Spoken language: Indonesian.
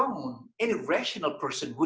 orang yang berasal tidak akan menyerah